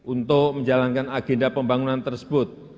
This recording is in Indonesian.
untuk menjalankan agenda pembangunan tersebut